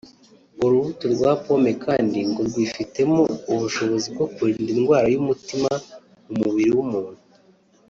urubuto rwa pomme kandi ngo rwifitemo ubushobozi bwo kurinda indwara y’umutima mu mubiri w’umuntu